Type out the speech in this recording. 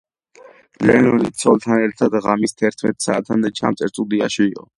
ლენონი ცოლთან ერთად ღამის თერთმეტ საათამდე ჩამწერ სტუდიაში იყო.